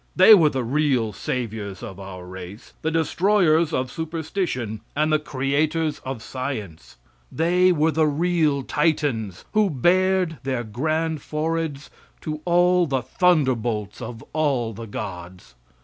They were the real saviors of our race, the destroyers of superstition and the creators of science. They were the real Titans who bared their grand foreheads to all the thunderbolts of all the gods.